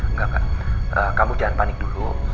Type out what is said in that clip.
enggak mbak kamu jangan panik dulu